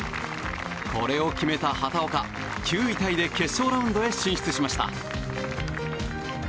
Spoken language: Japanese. これを決めた畑岡９位タイで決勝ラウンドへ進出しました。